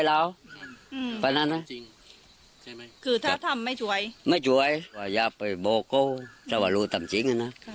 เราจริงก็นั่นคือถ้าทำให้ช่วยไม่ชี้การยาไปเบาก็น้ำจริง